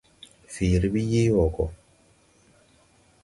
Fiiri ɓi yee wɔɔ gɔ.